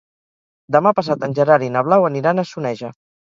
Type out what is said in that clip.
Demà passat en Gerard i na Blau aniran a Soneja.